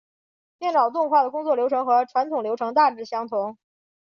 电脑动画的工作流程和传统流程大致相同。